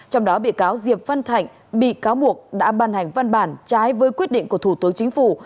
trong đó bị cáo diệp phân thạnh bị cáo buộc đã ban hành văn bản trái với quyết định của thủ tướng chính phủ